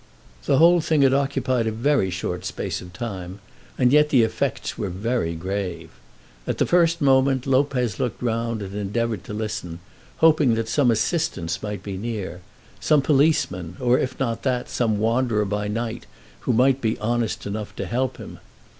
The whole thing had occupied a very short space of time, and yet the effects were very grave. At the first moment Lopez looked round and endeavoured to listen, hoping that some assistance might be near, some policeman, or, if not that, some wanderer by night who might be honest enough to help him.